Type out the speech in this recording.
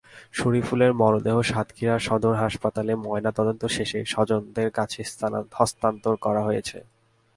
শরিফুলের মরদেহ সাতক্ষীরা সদর হাসপাতালে ময়নাতদন্ত শেষে স্বজনদের কাছে হস্তান্তর করা হয়েছে।